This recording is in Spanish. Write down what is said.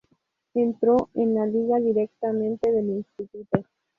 Entró en la liga directamente del instituto.